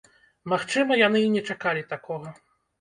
Магчыма, яны і не чакалі такога.